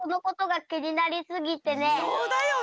そうだよね！